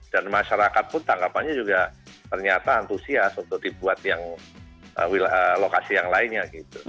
dan masyarakat pun tanggapannya juga ternyata antusias untuk dibuat lokasi yang lainnya